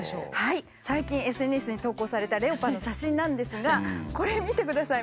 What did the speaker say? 最近ＳＮＳに投稿されたレオパの写真なんですがこれ見てください。